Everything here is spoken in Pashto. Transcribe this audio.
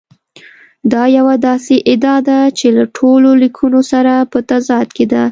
دا یوه داسې ادعا ده چې له ټولو لیکونو سره په تضاد کې ده.